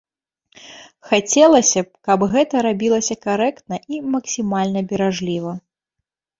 Хацелася б, каб гэта рабілася карэктна і максімальна беражліва.